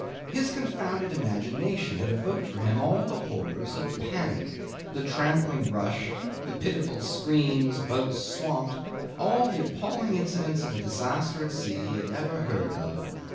His confounded imagination had evoked for him all the horrors of panic, the trampling rush, the pitiful screams, boats swamped all the appalling incidents of a disaster at sea he had ever heard of.